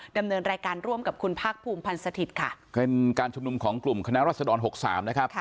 ดำเนินรายการร่วมกับคุณภาคภูมิพันธ์สถิตย์ค่ะเป็นการชุมนุมของกลุ่มคณะรัศดรหกสามนะครับ